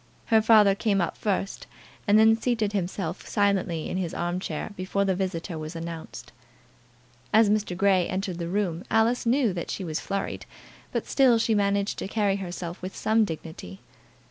Her father came up first, and had seated himself silently in his arm chair before the visitor was announced. As Mr. Grey entered the room Alice knew that she was flurried, but still she managed to carry herself with some dignity.